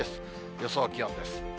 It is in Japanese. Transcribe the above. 予想気温です。